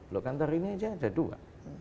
loh kantor ini aja ada dua